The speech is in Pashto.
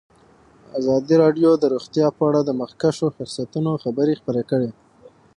ازادي راډیو د روغتیا په اړه د مخکښو شخصیتونو خبرې خپرې کړي.